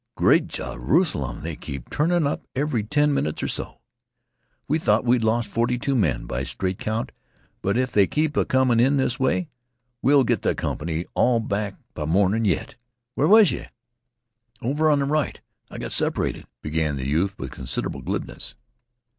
Great Jerusalem, they keep turnin' up every ten minutes or so! We thought we'd lost forty two men by straight count, but if they keep on a comin' this way, we'll git th' comp'ny all back by mornin' yit. Where was yeh?" "Over on th' right. I got separated" began the youth with considerable glibness.